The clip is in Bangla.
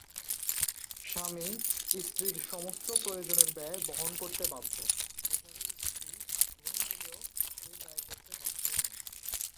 স্বামী, স্ত্রীর সমস্ত প্রয়োজনের ব্যয় বহন করতে বাধ্য, যেখানে স্ত্রী ধনী হলেও সে ব্যয় করতে বাধ্য নন।